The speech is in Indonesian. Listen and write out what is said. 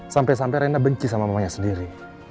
sampai sampai rena benci sama mamanya sendiri